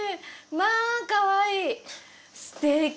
まぁかわいい！